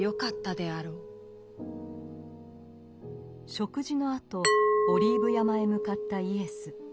食事のあとオリーブ山へ向かったイエス。